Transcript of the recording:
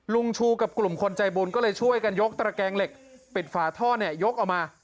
ชูกับกลุ่มคนใจบุญก็เลยช่วยกันยกตระแกงเหล็กปิดฝาท่อเนี่ยยกออกมา